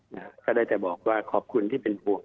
กับนี้ก็ได้เกราะบอกว่าขอบคุณที่เป็นพวก